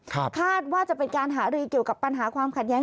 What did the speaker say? คาดว่าจะเป็นการหารือเกี่ยวกับปัญหาความขัดแย้ง